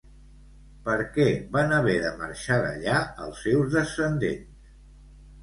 Per què van haver de marxar d'allà els seus descendents?